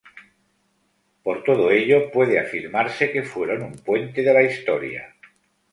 Por todo ello puede afirmarse que fueron un puente de la historia.